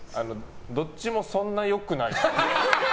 どっちもそんなによくない。